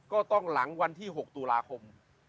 ก็ต้องหลังวันที่๖ตุลาคม